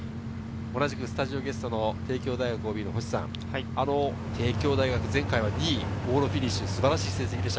スタジオゲストの帝京大学ＯＢの星さん、帝京大学、前回は２位、往路フィニッシュ、素晴らしい成績でした。